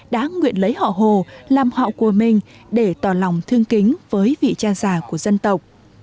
đã nguyện lấy họ hồ làm họ của mình để tỏ lòng thương kính với vị cha già của dân tộc